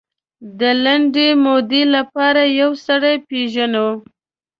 د لنډې مودې لپاره یو سړی پېژنو.